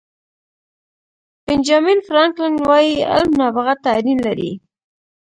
بینجامین فرانکلن وایي علم نابغه ته اړین دی.